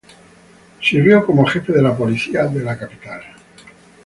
Sirvió como jefe de la policía de la capital.